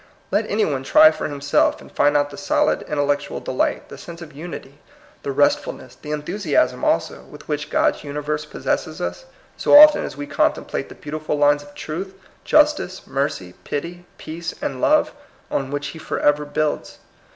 Let any one try for himself, and find out the solid intel lectual delight, the sense of unity, the restf ulness, the enthusiasm also, with which God's universe possesses us, so often as we contemplate the beautiful lines of truth, justice, mercy, pity, peace, and love, on which he forever builds.